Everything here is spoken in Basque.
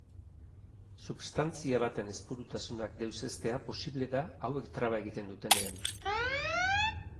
Substantzia baten ezpurutasunak deuseztea posible da hauek traba egiten dutenean.